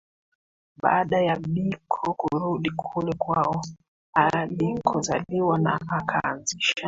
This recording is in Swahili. Baada ya Biko kurudi kule kwao alikozaliwa na akaanzisha